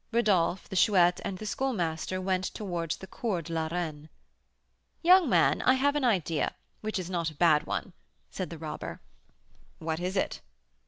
Rodolph, the Chouette, and the Schoolmaster went towards the Cours la Reine. "Young man, I have an idea, which is not a bad one," said the robber. "What is it?"